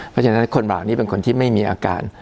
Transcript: เพราะฉะนั้นคนเหล่านี้เป็นคนที่ไม่มีอาการ